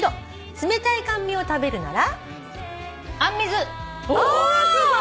「冷たい甘味を食べるなら」